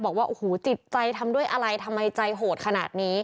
บอกว่าโอ้โหจิตใจทำด้วยอะไรทำไมใจโหดขนาดนี้